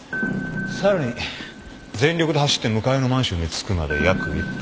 さらに全力で走って向かいのマンションに着くまで約１分。